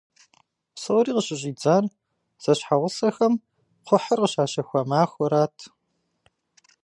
Псори къыщыщӏидзар зэщхьэгъусэхэм кхъухьыр къыщащэхуа махуэрат.